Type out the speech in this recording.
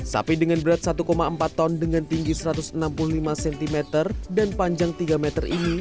sapi dengan berat satu empat ton dengan tinggi satu ratus enam puluh lima cm dan panjang tiga meter ini